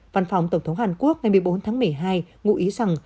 văn phòng tổng thống hàn quốc ngày một mươi bốn tháng một mươi hai ngụ ý rằng